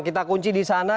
kita kunci di sana